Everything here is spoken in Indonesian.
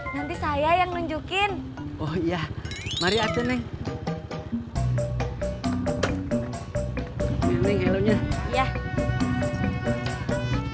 iya sebentaranta saya gantinya mau diantar ke mana neng son na paint